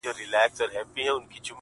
د کسمیر لوري د کابل او د ګواه لوري ـ